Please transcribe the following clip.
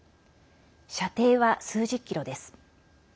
射程は数十キロです。